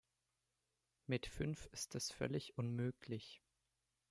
Mit fünf ist es völlig unmöglich.